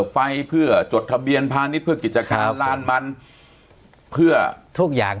แล้วมีอีกฉบับนึง